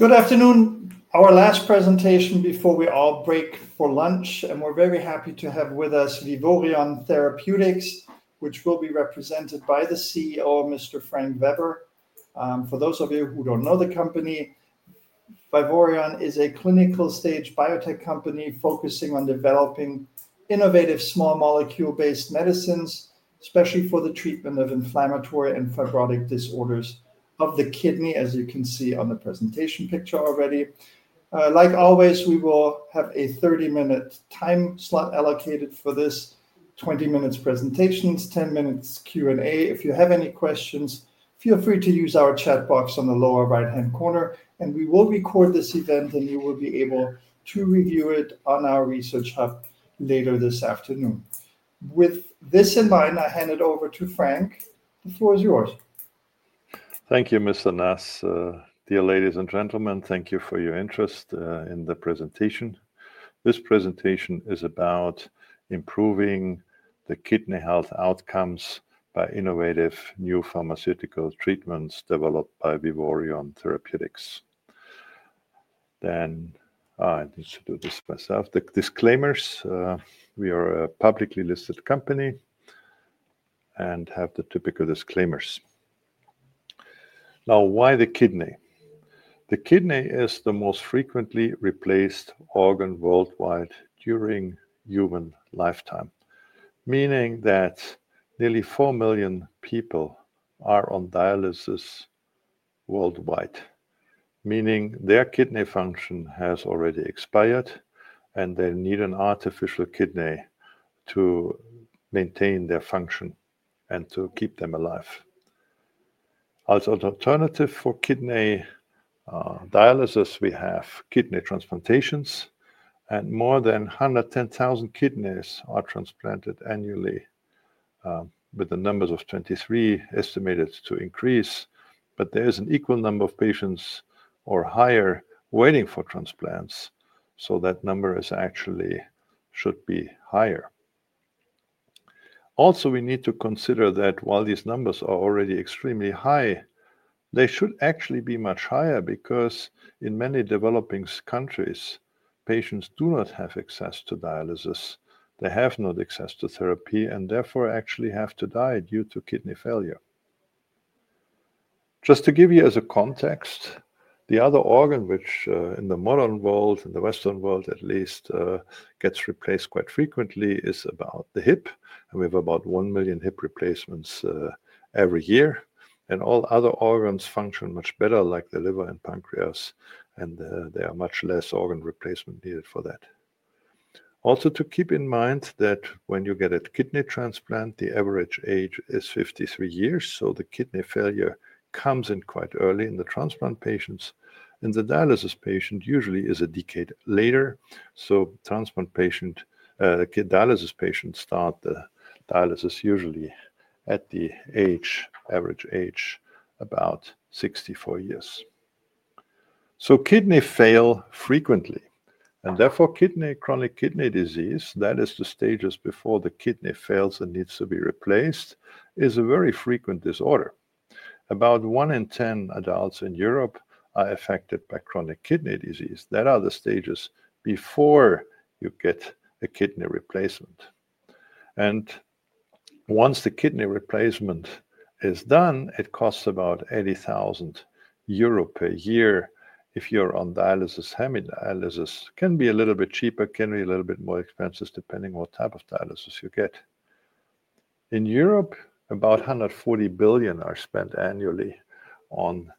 Good afternoon. Our last presentation before we all break for lunch, and we're very happy to have with us Vivoryon Therapeutics, which will be represented by the CEO, Mr. Frank Weber. For those of you who don't know the company, Vivoryon is a clinical stage biotech company focusing on developing innovative small molecule-based medicines, especially for the treatment of inflammatory and fibrotic disorders of the kidney, as you can see on the presentation picture already. Like always, we will have a 30-minute time slot allocated for this 20 minutes presentations, 10 minutes Q&A. If you have any questions, feel free to use our chat box on the lower right-hand corner, and we will record this event, and you will be able to review it on our research hub later this afternoon. With this in mind, I hand it over to Frank. The floor is yours. Thank you, Mr. Nass. Dear ladies and gentlemen, thank you for your interest in the presentation. This presentation is about improving the kidney health outcomes by innovative new pharmaceutical treatments developed by Vivoryon Therapeutics. I need to do this myself. The disclaimers: we are a publicly listed company and have the typical disclaimers. Now, why the kidney? The kidney is the most frequently replaced organ worldwide during human lifetime, meaning that nearly 4 million people are on dialysis worldwide, meaning their kidney function has already expired, and they need an artificial kidney to maintain their function and to keep them alive. As an alternative for kidney dialysis, we have kidney transplantations, and more than 110,000 kidneys are transplanted annually, with the numbers of 2023 estimated to increase, but there is an equal number of patients or higher waiting for transplants, so that number actually should be higher. Also, we need to consider that while these numbers are already extremely high, they should actually be much higher because in many developing countries, patients do not have access to dialysis. They have no access to therapy and therefore actually have to die due to kidney failure. Just to give you a context, the other organ which, in the modern world, in the Western world at least, gets replaced quite frequently is about the hip, and we have about 1 million hip replacements every year, and all other organs function much better, like the liver and pancreas, and there are much less organ replacement needed for that. Also, to keep in mind that when you get a kidney transplant, the average age is 53 years, so the kidney failure comes in quite early in the transplant patients. The dialysis patient usually is a decade later, so transplant patients, dialysis patients start the dialysis usually at the average age of about 64 years. Kidney fail frequently, and therefore chronic kidney disease, that is the stages before the kidney fails and needs to be replaced, is a very frequent disorder. About 1 in 10 adults in Europe are affected by chronic kidney disease. That are the stages before you get a kidney replacement. Once the kidney replacement is done, it costs about 80,000 euro per year if you're on dialysis. Hemodialysis can be a little bit cheaper, can be a little bit more expensive depending on what type of dialysis you get. In Europe, about 140 billion are spent annually on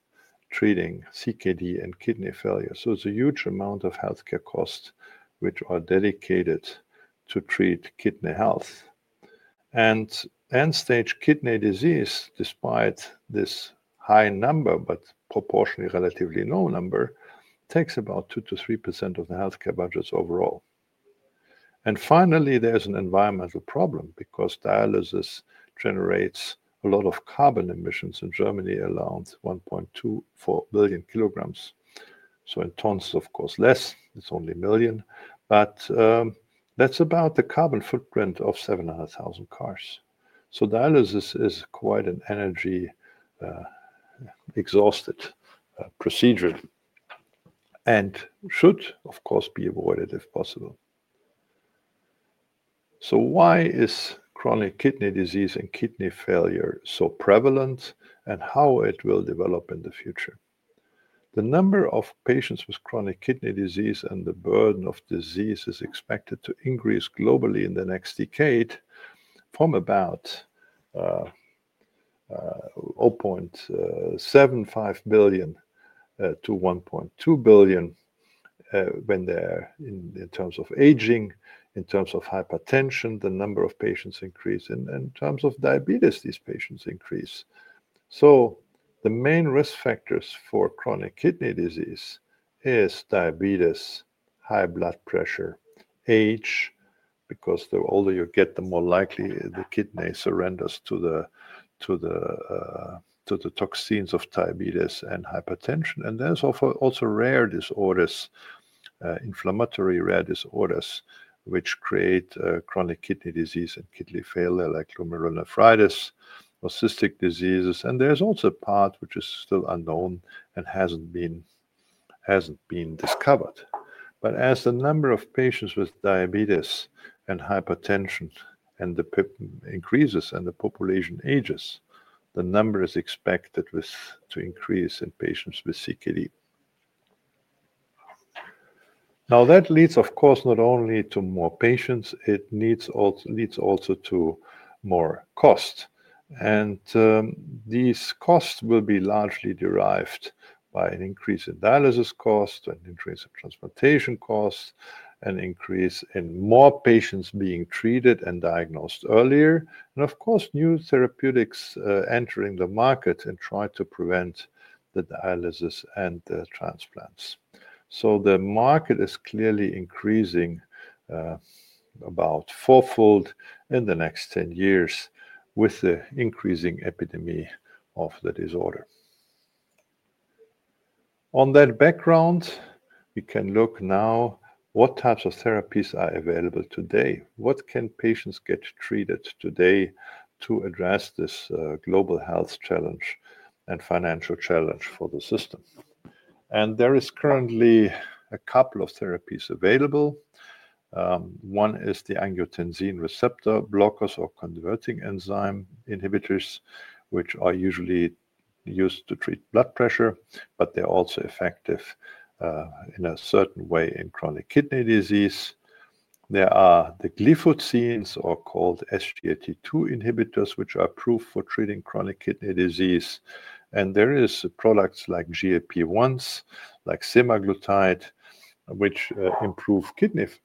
treating CKD and kidney failure, so it's a huge amount of healthcare costs which are dedicated to treat kidney health. End-stage kidney disease, despite this high number but proportionally relatively low number, takes about 2-3% of the healthcare budgets overall. Finally, there is an environmental problem because dialysis generates a lot of carbon emissions in Germany, around 1.24 billion kilograms, so in tons, of course, less. It is only a million, but that is about the carbon footprint of 700,000 cars. Dialysis is quite an energy-exhausted procedure and should, of course, be avoided if possible. Why is chronic kidney disease and kidney failure so prevalent, and how will it develop in the future? The number of patients with chronic kidney disease and the burden of disease is expected to increase globally in the next decade from about 0.75 billion to 1.2 billion when they are in terms of aging. In terms of hypertension, the number of patients increases. In terms of diabetes, these patients increase. The main risk factors for chronic kidney disease are diabetes, high blood pressure, age, because the older you get, the more likely the kidney surrenders to the toxins of diabetes and hypertension. There are also rare disorders, inflammatory rare disorders, which create chronic kidney disease and kidney failure like glomerulonephritis or cystic diseases. There is also a part which is still unknown and has not been discovered. As the number of patients with diabetes and hypertension increases and the population ages, the number is expected to increase in patients with CKD. That leads, of course, not only to more patients, it leads also to more cost. These costs will be largely derived by an increase in dialysis cost, an increase in transplantation cost, an increase in more patients being treated and diagnosed earlier, and of course, new therapeutics entering the market and trying to prevent the dialysis and the transplants. The market is clearly increasing about fourfold in the next 10 years with the increasing epidemic of the disorder. On that background, we can look now at what types of therapies are available today. What can patients get treated today to address this global health challenge and financial challenge for the system? There are currently a couple of therapies available. One is the angiotensin receptor blockers or converting enzyme inhibitors, which are usually used to treat blood pressure, but they're also effective in a certain way in chronic kidney disease. There are the gliflozins, or called SGLT2 inhibitors, which are approved for treating chronic kidney disease. There are products like GLP-1s, like semaglutide, which improve kidney function.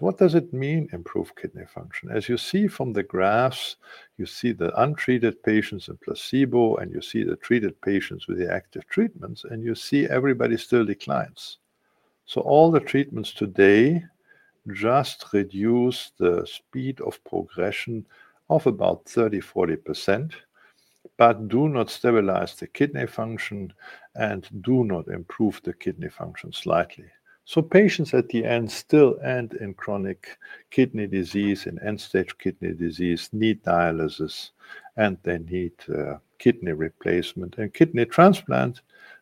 What does it mean, improve kidney function? As you see from the graphs, you see the untreated patients in placebo, and you see the treated patients with the active treatments, and you see everybody still declines. All the treatments today just reduce the speed of progression of about 30-40%, but do not stabilize the kidney function and do not improve the kidney function slightly. Patients at the end still end in chronic kidney disease, in end-stage kidney disease, need dialysis, and they need kidney replacement and kidney transplant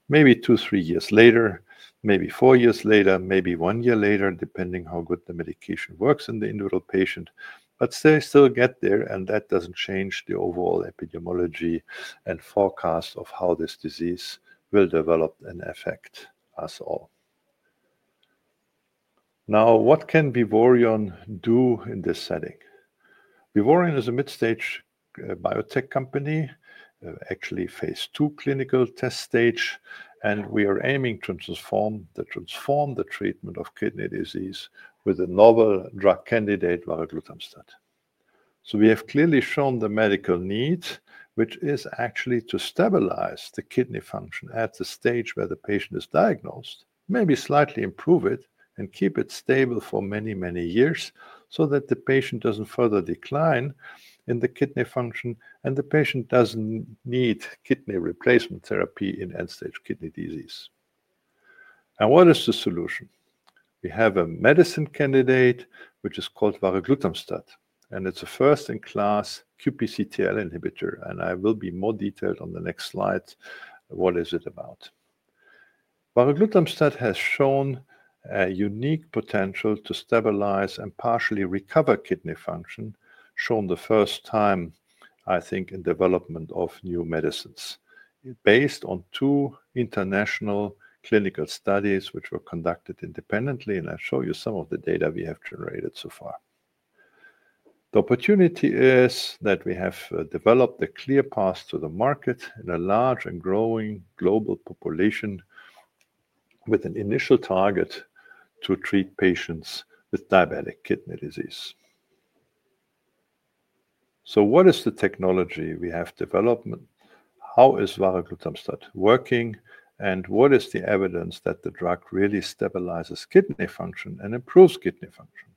maybe two, three years later, maybe four years later, maybe one year later, depending on how good the medication works in the individual patient. They still get there, and that does not change the overall epidemiology and forecast of how this disease will develop and affect us all. Now, what can Vivoryon do in this setting? Vivoryon is a mid-stage biotech company, actually phase II clinical test stage, and we are aiming to transform the treatment of kidney disease with a novel drug candidate, varoglutamstat. We have clearly shown the medical need, which is actually to stabilize the kidney function at the stage where the patient is diagnosed, maybe slightly improve it, and keep it stable for many, many years so that the patient does not further decline in the kidney function and the patient does not need kidney replacement therapy in end-stage kidney disease. Now, what is the solution? We have a medicine candidate which is called varoglutamstat, and it's a first-in-class QPCTL inhibitor, and I will be more detailed on the next slides what is it about. Varoglutamstat has shown a unique potential to stabilize and partially recover kidney function, shown the first time, I think, in the development of new medicines, based on two international clinical studies which were conducted independently, and I'll show you some of the data we have generated so far. The opportunity is that we have developed a clear path to the market in a large and growing global population with an initial target to treat patients with diabetic kidney disease. What is the technology we have developed? How is varoglutamstat working, and what is the evidence that the drug really stabilizes kidney function and improves kidney function?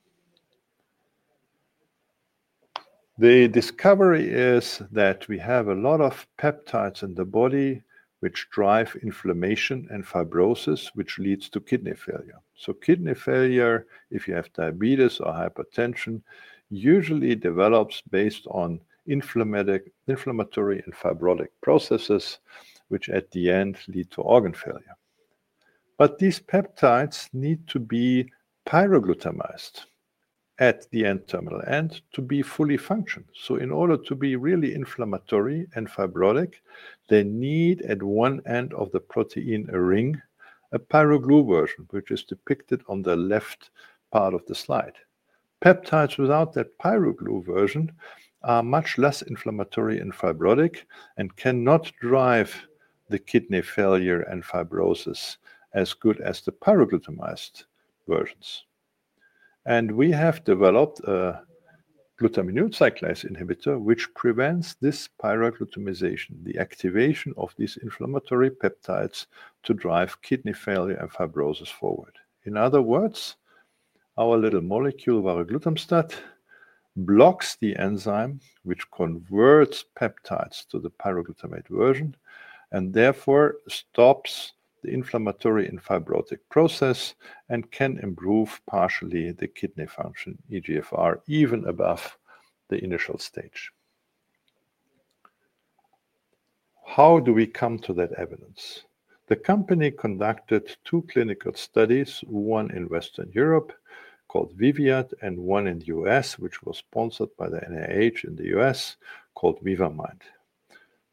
The discovery is that we have a lot of peptides in the body which drive inflammation and fibrosis, which leads to kidney failure. Kidney failure, if you have diabetes or hypertension, usually develops based on inflammatory and fibrotic processes which at the end lead to organ failure. These peptides need to be pyroglutamized at the N-terminal end to be fully functional. In order to be really inflammatory and fibrotic, they need at one end of the protein ring a pyroglutamate version, which is depicted on the left part of the slide. Peptides without that pyroglu version are much less inflammatory and fibrotic and cannot drive the kidney failure and fibrosis as well as the pyroglutamized versions. We have developed a glutaminyl cyclase inhibitor which prevents this pyroglutamization, the activation of these inflammatory peptides to drive kidney failure and fibrosis forward. In other words, our little molecule varoglutamstat blocks the enzyme which converts peptides to the pyroglutamate version and therefore stops the inflammatory and fibrotic process and can improve partially the kidney function, eGFR, even above the initial stage. How do we come to that evidence? The company conducted two clinical studies, one in Western Europe called VIVIAD and one in the U.S., which was sponsored by the NIH in the U.S., called VIVA-MIND.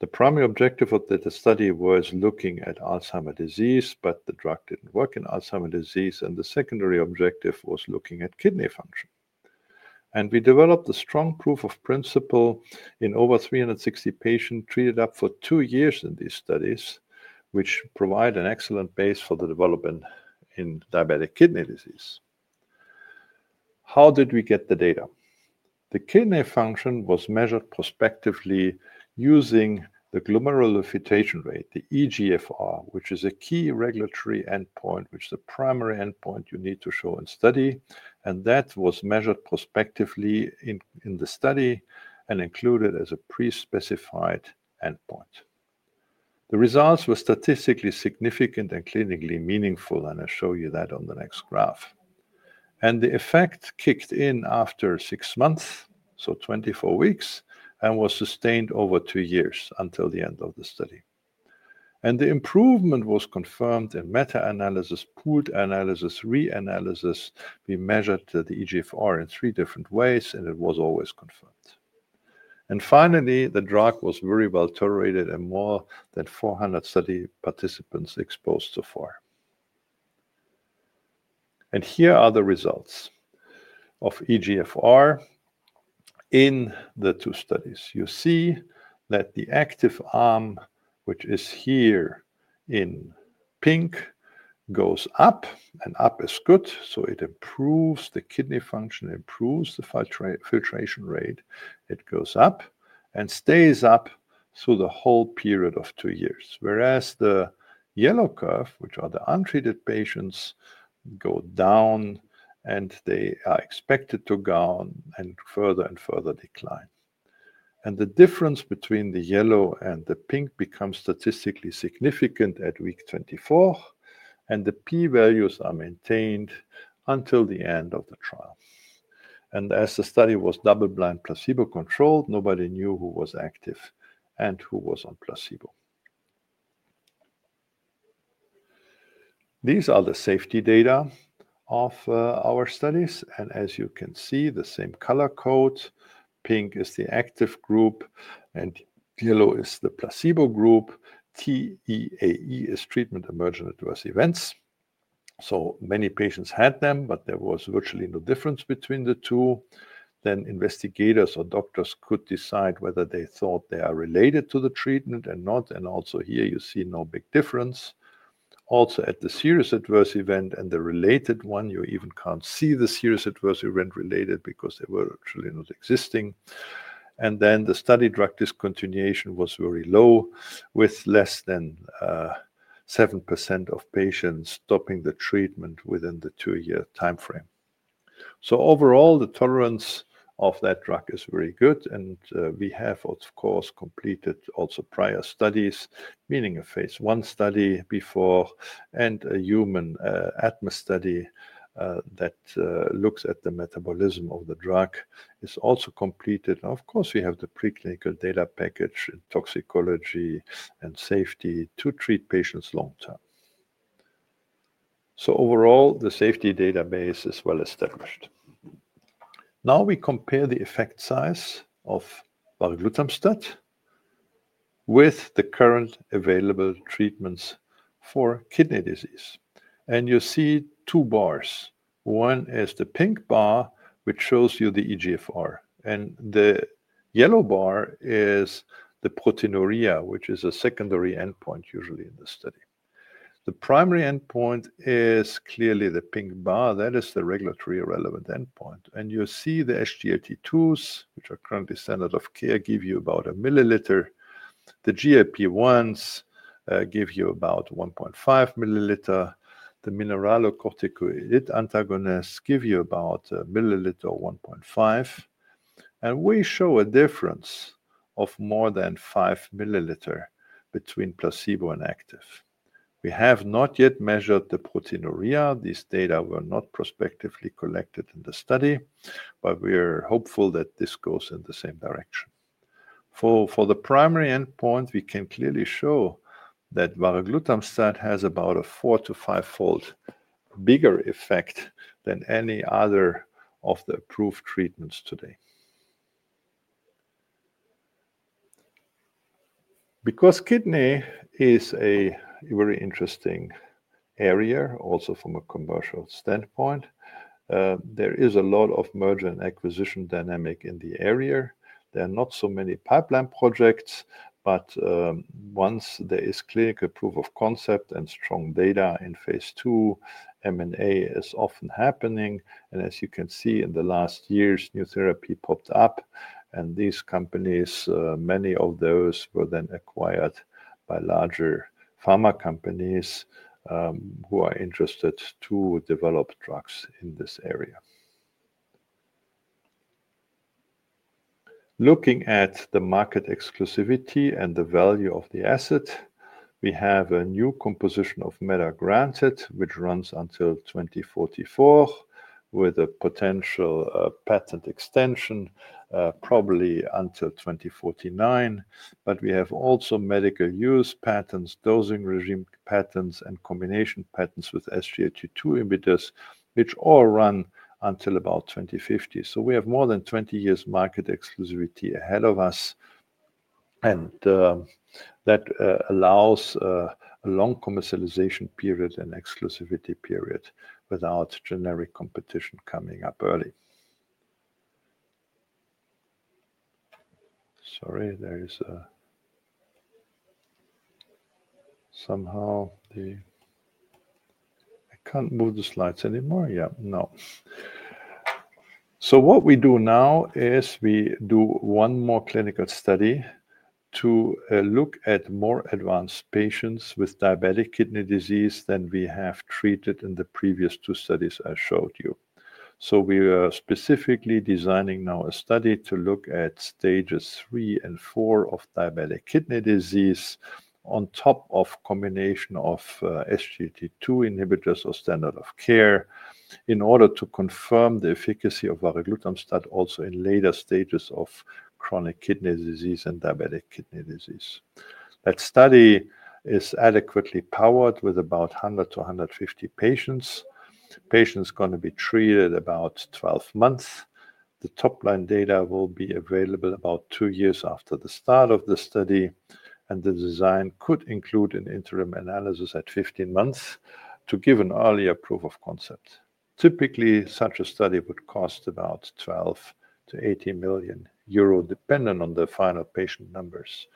The primary objective of the study was looking at Alzheimer's disease, but the drug did not work in Alzheimer's disease, and the secondary objective was looking at kidney function. We developed a strong proof of principle in over 360 patients treated up for two years in these studies, which provide an excellent base for the development in diabetic kidney disease. How did we get the data? The kidney function was measured prospectively using the glomerular filtration rate, the eGFR, which is a key regulatory endpoint, which is the primary endpoint you need to show in study, and that was measured prospectively in the study and included as a pre-specified endpoint. The results were statistically significant and clinically meaningful, and I'll show you that on the next graph. The effect kicked in after six months, so 24 weeks, and was sustained over two years until the end of the study. The improvement was confirmed in meta-analysis, pooled analysis, re-analysis. We measured the eGFR in three different ways, and it was always confirmed. Finally, the drug was very well tolerated in more than 400 study participants exposed so far. Here are the results of eGFR in the two studies. You see that the active arm, which is here in pink, goes up, and up is good, so it improves the kidney function, improves the filtration rate. It goes up and stays up through the whole period of two years, whereas the yellow curve, which are the untreated patients, go down and they are expected to go down and further and further decline. The difference between the yellow and the pink becomes statistically significant at week 24, and the p-values are maintained until the end of the trial. As the study was double-blind placebo-controlled, nobody knew who was active and who was on placebo. These are the safety data of our studies, and as you can see, the same color code. Pink is the active group, and yellow is the placebo group. TEAE is Treatment Emergent Adverse Events. Many patients had them, but there was virtually no difference between the two. Investigators or doctors could decide whether they thought they are related to the treatment or not, and also here you see no big difference. Also at the serious adverse event and the related one, you even cannot see the serious adverse event related because they were virtually not existing. The study drug discontinuation was very low, with less than 7% of patients stopping the treatment within the two-year timeframe. Overall, the tolerance of that drug is very good, and we have, of course, completed also prior studies, meaning a phase I study before and a human ADME study that looks at the metabolism of the drug is also completed. Of course, we have the preclinical data package in toxicology and safety to treat patients long-term. Overall, the safety database is well established. Now we compare the effect size of varoglutamstat with the current available treatments for kidney disease. You see two bars. One is the pink bar, which shows you the eGFR, and the yellow bar is the proteinuria, which is a secondary endpoint usually in the study. The primary endpoint is clearly the pink bar. That is the regulatory relevant endpoint. You see the SGLT2s, which are currently standard of care, give you about 1 mL. The GLP-1s give you about 1.5 mL. The mineralocorticoid antagonists give you about 1 mL or 1.5 mL. We show a difference of more than 5 mL between placebo and active. We have not yet measured the proteinuria. These data were not prospectively collected in the study, but we are hopeful that this goes in the same direction. For the primary endpoint, we can clearly show that varoglutamstat has about a four to five-fold bigger effect than any other of the approved treatments today. Because kidney is a very interesting area, also from a commercial standpoint, there is a lot of merger and acquisition dynamic in the area. There are not so many pipeline projects, but once there is clinical proof of concept and strong data in phase II, M&A is often happening. As you can see, in the last years, new therapy popped up, and these companies, many of those, were then acquired by larger pharma companies who are interested to develop drugs in this area. Looking at the market exclusivity and the value of the asset, we have a new composition of metagranzit, which runs until 2044, with a potential patent extension probably until 2049. We have also medical use patents, dosing regime patents, and combination patents with SGLT2 inhibitors, which all run until about 2050. We have more than 20 years' market exclusivity ahead of us, and that allows a long commercialization period and exclusivity period without generic competition coming up early. Sorry, I can't move the slides anymore. Yeah, no. What we do now is we do one more clinical study to look at more advanced patients with diabetic kidney disease than we have treated in the previous two studies I showed you. We are specifically designing now a study to look at stages III and IV of diabetic kidney disease on top of a combination of SGLT2 inhibitors or standard of care in order to confirm the efficacy of varoglutamstat also in later stages of chronic kidney disease and diabetic kidney disease. That study is adequately powered with about 100 to 150 patients. Patients are going to be treated about 12 months. The top-line data will be available about two years after the start of the study, and the design could include an interim analysis at 15 months to give an earlier proof of concept. Typically, such a study would cost about 12 million-18 million euro, depending on the final patient numbers.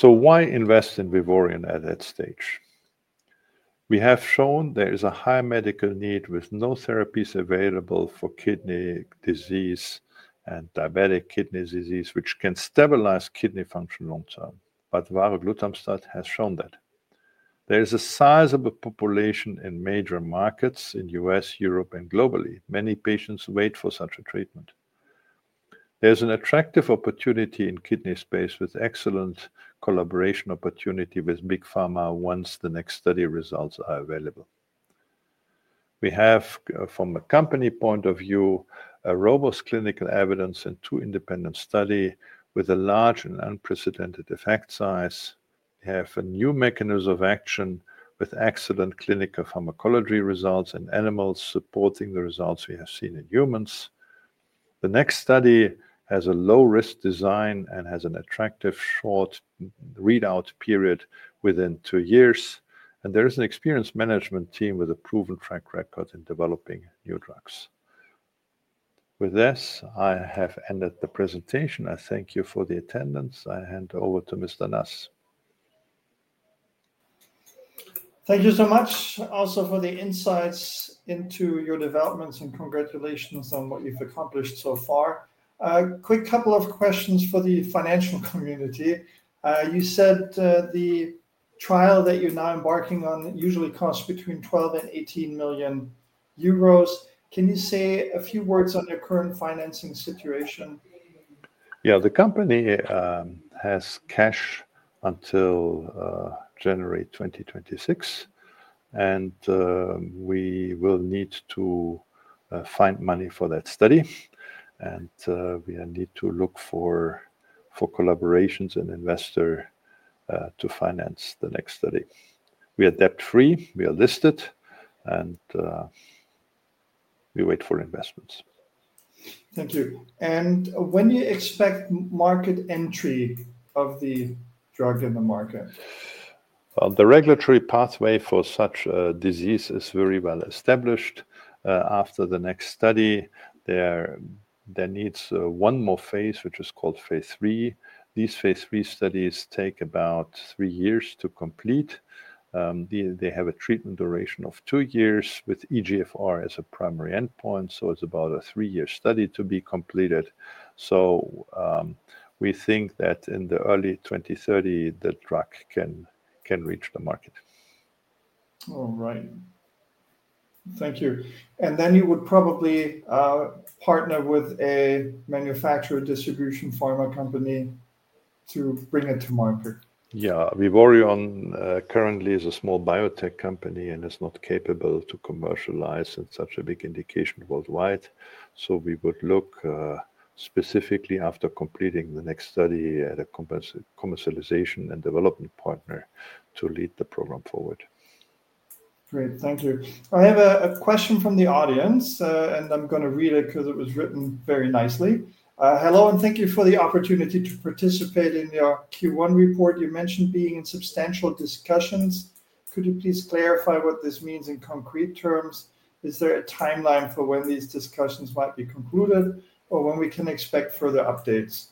Why invest in Vivoryon at that stage? We have shown there is a high medical need with no therapies available for kidney disease and diabetic kidney disease, which can stabilize kidney function long-term, but varoglutamstat has shown that. There is a sizable population in major markets in the U.S., Europe, and globally. Many patients wait for such a treatment. There's an attractive opportunity in kidney space with excellent collaboration opportunity with big pharma once the next study results are available. We have, from a company point of view, a robust clinical evidence and two independent studies with a large and unprecedented effect size. We have a new mechanism of action with excellent clinical pharmacology results in animals supporting the results we have seen in humans. The next study has a low-risk design and has an attractive short readout period within two years, and there is an experienced management team with a proven track record in developing new drugs. With this, I have ended the presentation. I thank you for the attendance. I hand over to Mr. Nass. Thank you so much also for the insights into your developments and congratulations on what you've accomplished so far. A quick couple of questions for the financial community. You said the trial that you're now embarking on usually costs between 12 million-18 million euros. Can you say a few words on your current financing situation? Yeah, the company has cash until January 2026, and we will need to find money for that study, and we need to look for collaborations and investors to finance the next study. We are debt-free. We are listed, and we wait for investments. Thank you. When do you expect market entry of the drug in the market? The regulatory pathway for such a disease is very well established. After the next study, there needs one more phase, which is called phase III. These phase III studies take about three years to complete. They have a treatment duration of two years with eGFR as a primary endpoint, so it's about a three-year study to be completed. We think that in the early 2030, the drug can reach the market. All right. Thank you. You would probably partner with a manufacturer-distribution pharma company to bring it to market. Yeah, Vivoryon currently is a small biotech company and is not capable to commercialize in such a big indication worldwide. We would look specifically after completing the next study at a commercialization and development partner to lead the program forward. Great. Thank you. I have a question from the audience, and I'm going to read it because it was written very nicely. Hello, and thank you for the opportunity to participate in your Q1 report. You mentioned being in substantial discussions. Could you please clarify what this means in concrete terms? Is there a timeline for when these discussions might be concluded or when we can expect further updates?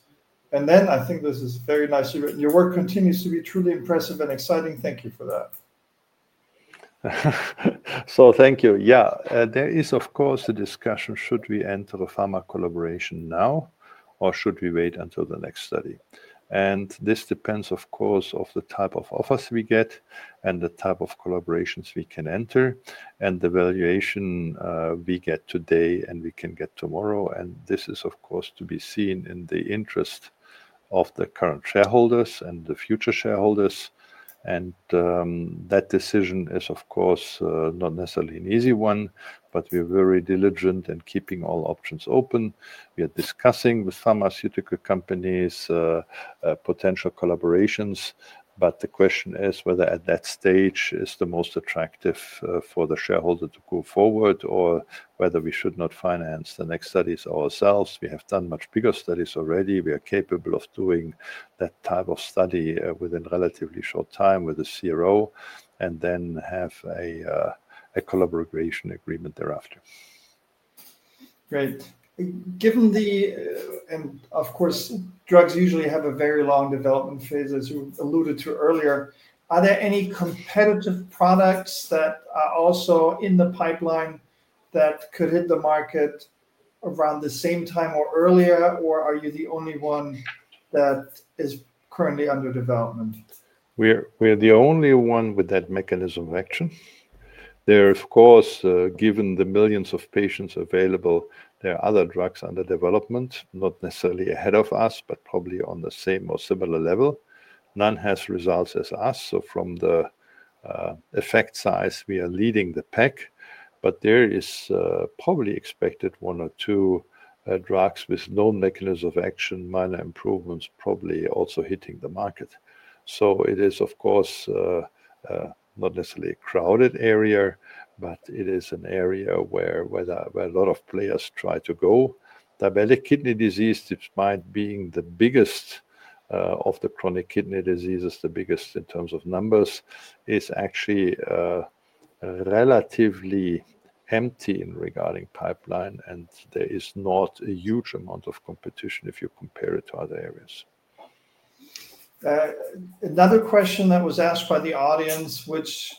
I think this is very nicely written. Your work continues to be truly impressive and exciting. Thank you for that. Thank you. There is, of course, a discussion, should we enter a pharma collaboration now, or should we wait until the next study? This depends, of course, on the type of offers we get and the type of collaborations we can enter and the valuation we get today and we can get tomorrow. This is, of course, to be seen in the interest of the current shareholders and the future shareholders. That decision is, of course, not necessarily an easy one, but we are very diligent in keeping all options open. We are discussing with pharmaceutical companies potential collaborations, but the question is whether at that stage it is the most attractive for the shareholder to go forward or whether we should not finance the next studies ourselves. We have done much bigger studies already. We are capable of doing that type of study within relatively short time with the CRO and then have a collaboration agreement thereafter. Great. Given the, and of course, drugs usually have a very long development phase, as you alluded to earlier, are there any competitive products that are also in the pipeline that could hit the market around the same time or earlier, or are you the only one that is currently under development? We are the only one with that mechanism of action. There, of course, given the millions of patients available, there are other drugs under development, not necessarily ahead of us, but probably on the same or similar level. None has results as us, so from the effect size, we are leading the pack. There is probably expected one or two drugs with new mechanism of action, minor improvements, probably also hitting the market. It is, of course, not necessarily a crowded area, but it is an area where a lot of players try to go. Diabetic kidney disease, despite being the biggest of the chronic kidney diseases, the biggest in terms of numbers, is actually relatively empty in regarding pipeline, and there is not a huge amount of competition if you compare it to other areas. Another question that was asked by the audience, which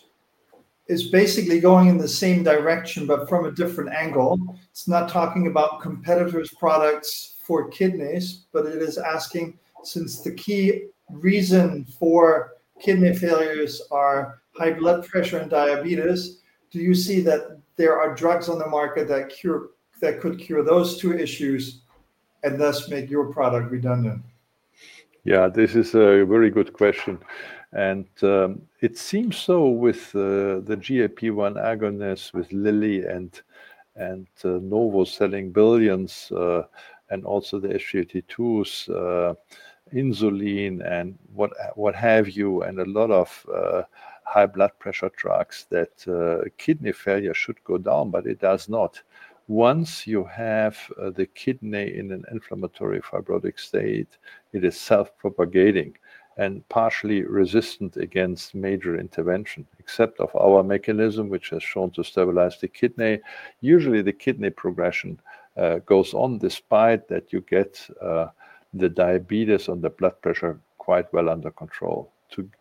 is basically going in the same direction but from a different angle. It's not talking about competitors' products for kidneys, but it is asking, since the key reason for kidney failures are high blood pressure and diabetes, do you see that there are drugs on the market that could cure those two issues and thus make your product redundant? Yeah, this is a very good question. It seems so with the GLP-1 agonist with Lilly and Novo selling billions and also the SGLT2s, insulin, and what have you, and a lot of high blood pressure drugs that kidney failure should go down, but it does not. Once you have the kidney in an inflammatory fibrotic state, it is self-propagating and partially resistant against major intervention, except for our mechanism, which has shown to stabilize the kidney. Usually, the kidney progression goes on despite that you get the diabetes and the blood pressure quite well under control.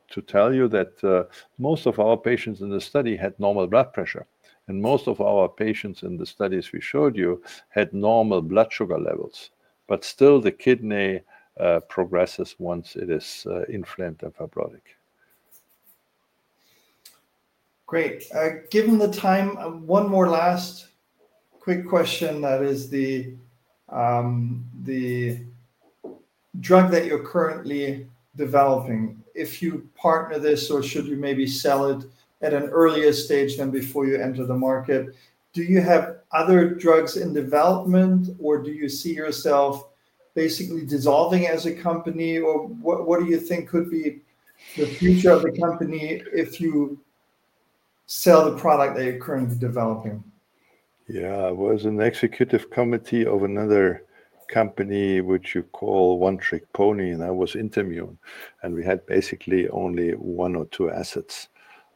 To tell you that most of our patients in the study had normal blood pressure, and most of our patients in the studies we showed you had normal blood sugar levels, but still the kidney progresses once it is inflamed and fibrotic. Great. Given the time, one more last quick question that is the drug that you're currently developing. If you partner this or should you maybe sell it at an earlier stage than before you enter the market, do you have other drugs in development, or do you see yourself basically dissolving as a company? Or what do you think could be the future of the company if you sell the product that you're currently developing? Yeah, I was an executive committee of another company, which you call One Trick Pony, and I was interviewed, and we had basically only one or two assets.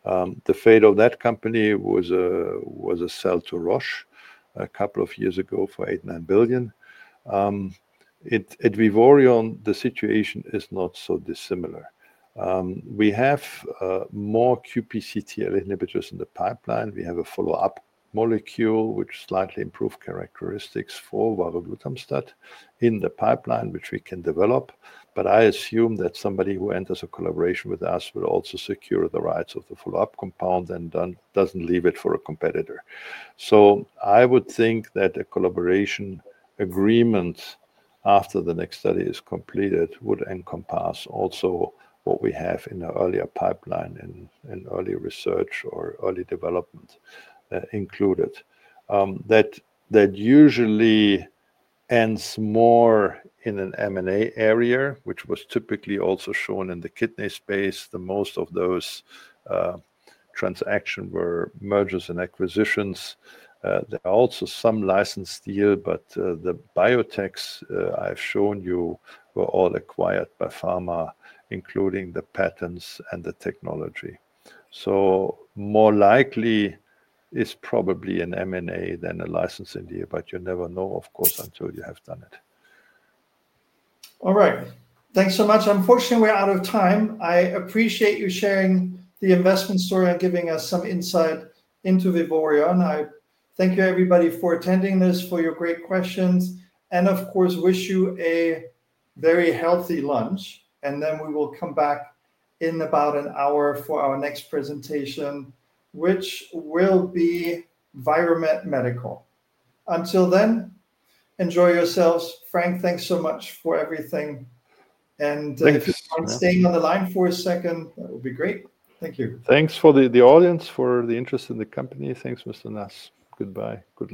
The fate of that company was a sale to Roche a couple of years ago for 8 billion-9 billion. At Vivoryon, the situation is not so dissimilar. We have more QPCTL inhibitors in the pipeline. We have a follow-up molecule, which slightly improves characteristics for varoglutamstat in the pipeline, which we can develop. I assume that somebody who enters a collaboration with us will also secure the rights of the follow-up compound and does not leave it for a competitor. I would think that a collaboration agreement after the next study is completed would encompass also what we have in the earlier pipeline and early research or early development included. That usually ends more in an M&A area, which was typically also shown in the kidney space. Most of those transactions were mergers and acquisitions. There are also some licensed deals, but the biotechs I've shown you were all acquired by pharma, including the patents and the technology. More likely is probably an M&A than a licensed deal, but you never know, of course, until you have done it. All right. Thanks so much. Unfortunately, we're out of time. I appreciate you sharing the investment story and giving us some insight into Vivoryon. I thank you, everybody, for attending this, for your great questions, and of course, wish you a very healthy lunch. We will come back in about an hour for our next presentation, which will be Viremet Medical. Until then, enjoy yourselves. Frank, thanks so much for everything. Staying on the line for a second, that would be great. Thank you. Thanks for the audience, for the interest in the company. Thanks, Mr. Nass. Goodbye. Good.